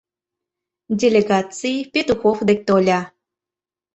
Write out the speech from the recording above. «Делегаций» Петухов дек тольо.